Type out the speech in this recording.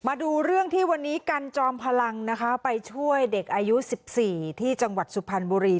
มาดูเรื่องที่วันนี้กันจอมพลังนะคะไปช่วยเด็กอายุ๑๔ที่จังหวัดสุพรรณบุรี